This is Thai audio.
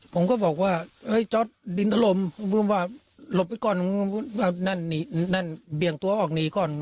ผมก็บอกว่าเฮ้ยจ๊อตดินถล่มลบไปก่อนนั่นนี่นั่นเบียงตัวออกหนีก่อน